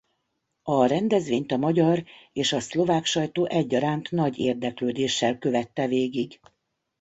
A rendezvényt a magyar és a szlovák sajtó egyaránt nagy érdeklődéssel követte végig.